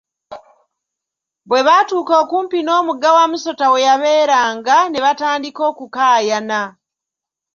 Bwe baatuuka okumpi n'omugga Wamusota we yabeeranga, ne batandika okukaayana .